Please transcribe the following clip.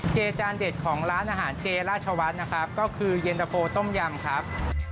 เจจานเด็ดของร้านอาหารเจราชวัฒน์นะครับก็คือเย็นตะโฟต้มยำครับ